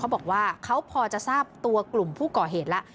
บอกว่าเขาพอจะทราบตัวกลุ่มผู้ก่อเหตุแล้ว